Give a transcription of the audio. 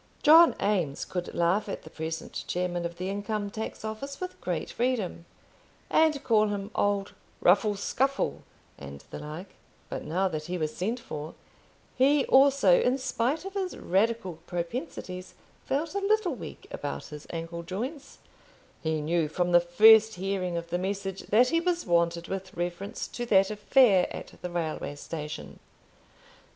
John Eames could laugh at the present chairman of the Income tax Office with great freedom, and call him old Huffle Scuffle, and the like; but now that he was sent for, he also, in spite of his radical propensities, felt a little weak about his ankle joints. He knew, from the first hearing of the message, that he was wanted with reference to that affair at the railway station.